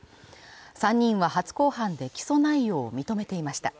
３人は初公判で起訴内容を認めていました